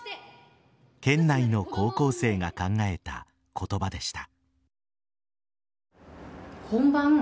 県内の高校生が考えた言葉でした。